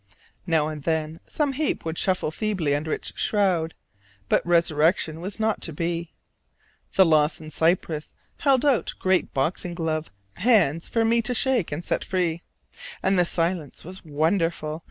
Now and then some heap would shuffle feebly under its shroud, but resurrection was not to be: the Lawson cypress held out great boxing glove hands for me to shake and set free; and the silence was wonderful.